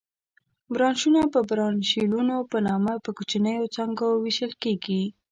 برانشونه په برانشیولونو په نامه پر کوچنیو څانګو وېشل کېږي.